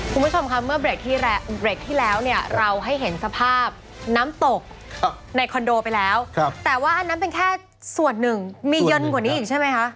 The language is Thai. คุณผู้ชมค่ะเมื่อเบรกที่แล้วเนี่ยเราให้เห็นสภาพน้ำตกในคอนโดไปแล้วแต่ว่าอันนั้นเป็นแค่ส่วนหนึ่งมีเย็นกว่านี้อีกใช่ไหมคะ